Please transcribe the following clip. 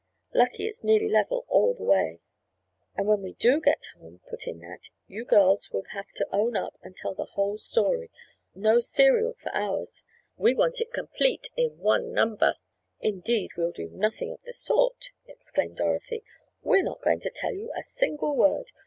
Lucky it's nearly level all the way." "And when we do get home," put in Nat, "you girls will just have to own up and tell the whole story. No serial for ours. We want it complete in one number." "Indeed, we'll do nothing of the sort!" exclaimed Dorothy. "We're not going to tell you a single word.